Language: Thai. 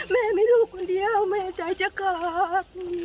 แม่มีลูกคนเดียวแม่ใจจะขาด